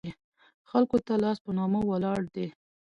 خلکو ته لاس په نامه ولاړ دي.